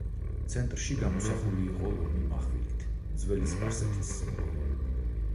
ცენტრში გამოსახული იყო ლომი მახვილით, ძველი სპარსეთის სიმბოლო.